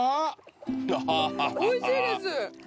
おいしいです